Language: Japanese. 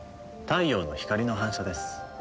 太陽の光の反射です。